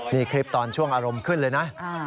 นี่คลิปตอนช่วงอารมณ์ขึ้นเลยนะ